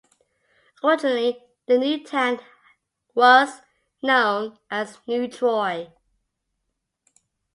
Originally the new town was known as New Troy.